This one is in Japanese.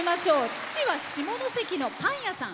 父は下関のパン屋さん。